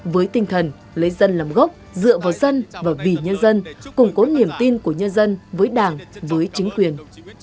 với tinh thần lấy dân làm gốc dựa vào dân và vì nhân dân củng cố niềm tin của nhân dân với đảng với chính quyền